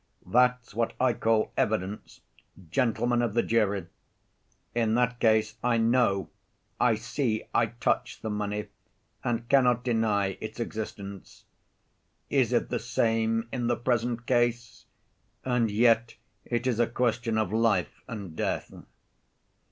That's what I call evidence, gentlemen of the jury! In that case I know, I see, I touch the money, and cannot deny its existence. Is it the same in the present case? And yet it is a question of life and death.